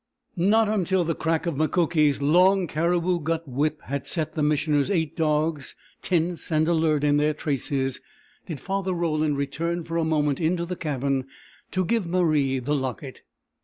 Not until the crack of Mukoki's long, caribou gut whip had set the Missioner's eight dogs tense and alert in their traces did Father Roland return for a moment into the cabin to give Marie the locket.